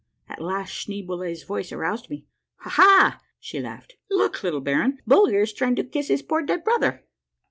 At last Schneeboule's voice aroused me : "Ha! ha !" she laughed ;" look, little baron, Bulger is try ing to kiss his poor dead brother."